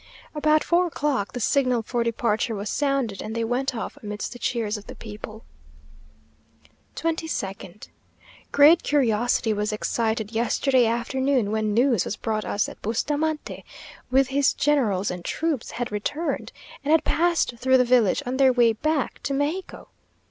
About four o'clock the signal for departure was sounded, and they went off amidst the cheers of the people. 22nd. Great curiosity was excited yesterday afternoon, when news was brought us that Bustamante, with his generals and troops, had returned, and had passed through the village, on their way back to Mexico!